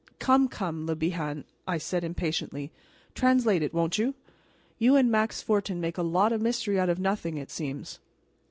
"Come, come, Le Bihan," I said impatiently, "translate it, won't you? You and Max Fortin make a lot of mystery out of nothing, it seems."